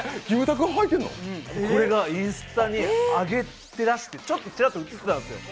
これがインスタに上げてらして、ちらっと写ってたんですよ。